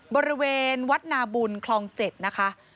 บริเวณวัดนาบุญคลอง๗นะคะ